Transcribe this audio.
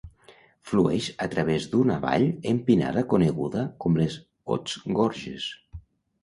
Flueix a través d'una vall empinada coneguda com Les Hautes Gorges.